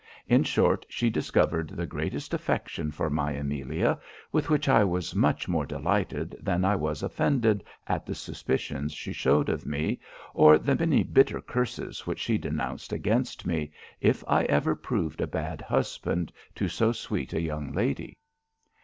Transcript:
In short, she discovered the greatest affection for my Amelia; with which I was much more delighted than I was offended at the suspicions she shewed of me, or the many bitter curses which she denounced against me, if I ever proved a bad husband to so sweet a young lady.